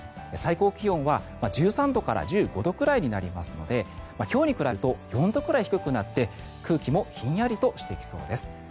最高気温は１３度から１５度くらいになりますので今日に比べると４度くらい低くなって空気もひんやりとしてきそうです。